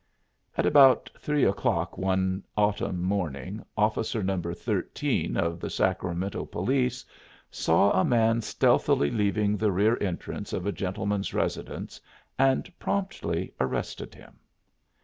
At about three o'clock one autumn morning Officer No. 13 of the Sacramento police saw a man stealthily leaving the rear entrance of a gentleman's residence and promptly arrested him.